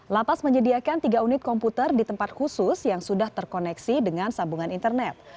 lapas menyediakan tiga unit komputer di tempat khusus yang sudah terkoneksi dengan sambungan internet